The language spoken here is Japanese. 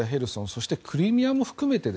そしてクリミアも含めて